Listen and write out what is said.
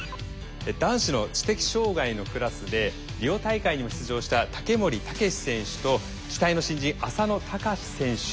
男子の知的障害のクラスでリオ大会にも出場した竹守彪選手と期待の新人浅野俊選手。